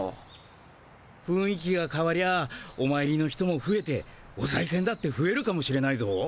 ふんい気がかわりゃおまいりの人もふえておさいせんだってふえるかもしれないぞ。